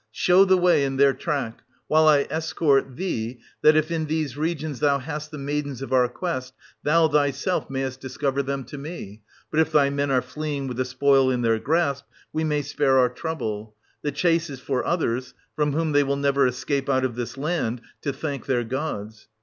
Show the way in their track, — while I escort 1020 thee, — that, if in these regions thou hast the maidens of our quest, thou thyself mayest discover them to me ; but if thy men are ?i.^Q\.ng with the spoil in their grasp, we may spare our trouble; the chase is for others, from whom they will never escape out of this land, to thank their gods.